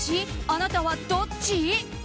あなたはどっち？